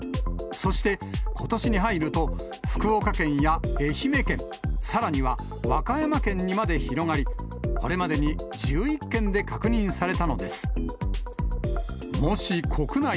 そして、ことしに入ると、福岡県や愛媛県、さらには和歌山県にまで広がり、これまでに１１県で確認されたのです。